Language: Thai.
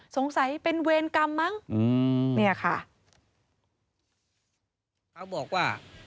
สงสัยเป็นเวรกรรมมั้งเนี่ยค่ะ